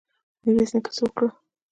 میرویس نیکه څه وکړل؟